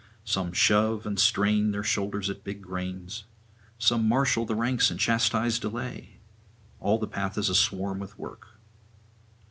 Some shove and strain with their shoulders at big grains, some marshal the ranks and chastise delay; all the path is aswarm with work.